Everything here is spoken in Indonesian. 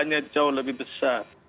halnya jauh lebih besar